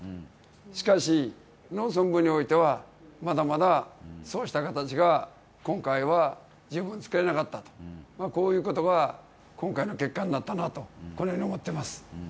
しかし農村部においては、まだまだそうした形が今回は十分使えなかったとこういうことが今回の結果になったとこう思っています。